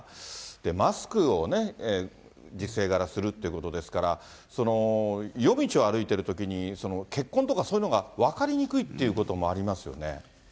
マスクをね、時世がらするということですから、夜道を歩いているときに、血痕とかそういうのが分かりにくいっていうこともありますよね。